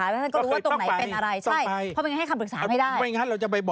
ท่านก็รู้ตรงไหนเป็นอะไร